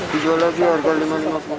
dijual lagi harga rp lima ratus lima puluh